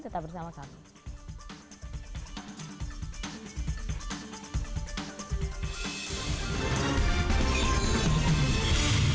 tetap bersama kami